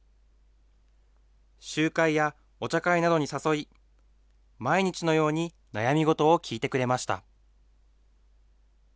集会やお茶会などに誘い、毎日のように悩み事を聞いてくれました。